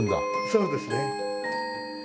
そうですね。